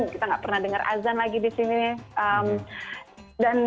kita nggak pernah dengar azan lagi di sini